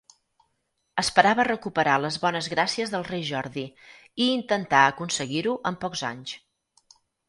Esperava recuperar les bones gràcies del rei Jordi, i intentà aconseguir-ho en pocs anys.